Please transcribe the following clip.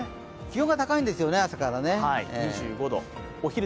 気温が高いんですよね、朝から。